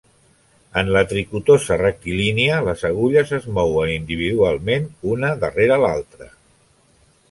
En la tricotosa rectilínia, les agulles es mouen individualment, una darrera l'altra.